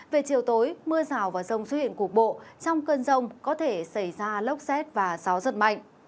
về chiều tối mưa rào và rông xuất hiện cục bộ trong cơn rông có thể xảy ra lốc xét và gió giật mạnh